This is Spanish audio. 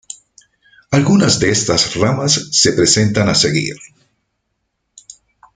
Algunas de estas ramas se presentan a seguir.